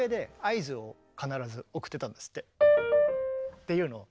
っていうのを。